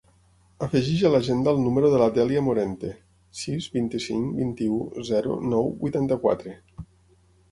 Afegeix a l'agenda el número de la Dèlia Morente: sis, vint-i-cinc, vint-i-u, zero, nou, vuitanta-quatre.